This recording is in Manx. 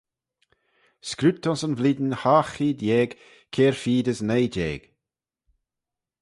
Scriut ayns yn vlein hoght cheead yeig kaire feed as nuy jeig.